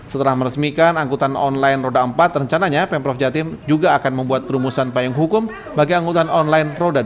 setelah meresmikan angkutan online roda empat rencananya pemprov jatim juga akan membuat perumusan payung hukum bagi angkutan online roda dua